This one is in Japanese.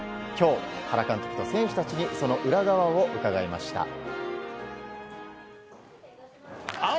今日、原監督と選手たちにその裏側を伺いました。